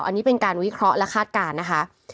อันนี้เป็นการวิเคราะห์และคาดการณ์นะคะ